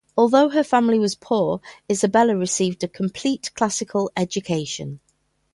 Although her family was poor, Isabella received a complete classical education.